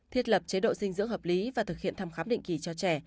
thiết lập chế độ dinh dưỡng hợp lý và thực hiện thăm khám định kỳ cho trẻ